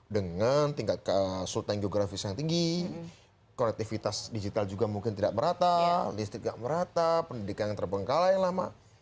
dengan tingkat sultan geografis yang tinggi konektivitas digital juga mungkin tidak merata listrik tidak merata pendidikan yang terbengkalai lama